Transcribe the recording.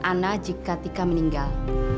ana jika tika meninggal